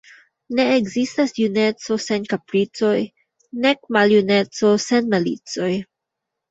Ne ekzistas juneco sen kapricoj, nek maljuneco sen malicoj.